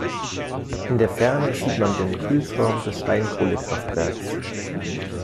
In der Ferne sieht man den Kühlturm des Steinkohlekraftwerks.